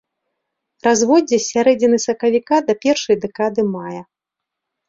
Разводдзе з сярэдзіны сакавіка да першай дэкады мая.